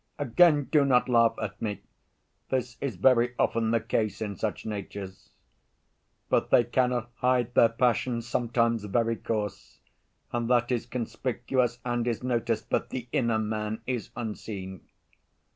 Again do not laugh at me, this is very often the case in such natures. But they cannot hide their passions—sometimes very coarse—and that is conspicuous and is noticed, but the inner man is unseen.